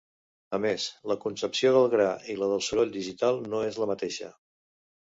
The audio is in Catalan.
A més, la concepció del gra i la del soroll digital no és la mateixa.